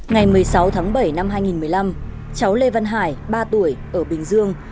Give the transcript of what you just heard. ngày một mươi sáu tháng bảy năm hai nghìn một mươi năm cháu lê văn hải ba tuổi ở bình dương